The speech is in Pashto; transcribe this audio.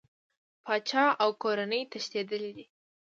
پاچا او کورنۍ تښتېدلي دي.